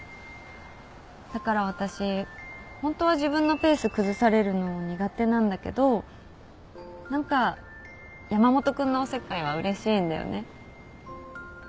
だから私ホントは自分のペース崩されるの苦手なんだけど何か山本君のおせっかいはうれしいんだよね。